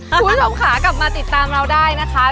คุณผู้ชมค่ะกลับมาติดตามเราได้นะคะ